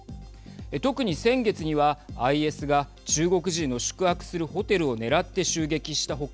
特に先月にはＩＳが中国人の宿泊するホテルを狙って襲撃した他